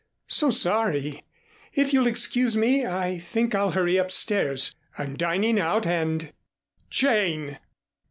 So sorry. If you'll excuse me I think I'll hurry upstairs. I'm dining out and " "Jane!"